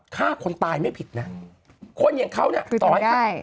ฆ่าคนตายไม่ผิดนะคนอย่างเขาเนี่ยต่อให้